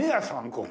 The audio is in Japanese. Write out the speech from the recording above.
ここ。